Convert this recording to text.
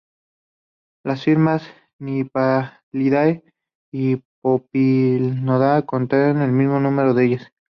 Las familias Nymphalidae y Papilionidae contenían el máximo número de ellas.